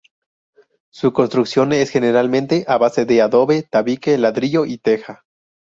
Su construcción es generalmente a base de adobe, tabique, ladrillo y teja.